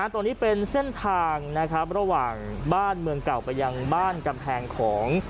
ตรงนี้เป็นเส้นทางระหว่างบ้านเมืองเก่าไปยังบ้านกำแพงของ